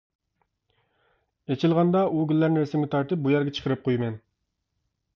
ئېچىلغاندا ئۇ گۈللەرنى رەسىمگە تارتىپ بۇ يەرگە چىقىرىپ قويىمەن.